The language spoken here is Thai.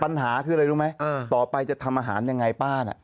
ปัญหาคืออะไรรู้ไหมต่อไปจะทำอาหารยังไงป้าน่ะ